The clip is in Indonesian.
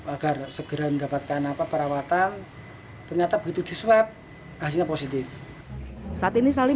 agar segera mendapatkan apa perawatan ternyata begitu di swab hasilnya positif saat ini saling